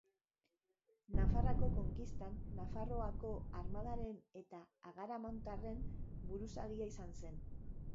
Nafarroako konkistan Nafarroako armadaren eta agaramontarren buruzagia izan zen.